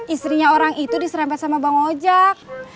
istrinya orang itu diserempet sama bang ojek